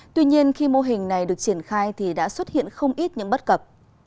tuy nhiên khi mô hình này được triển khai thì đã xuất hiện không ít những bất cập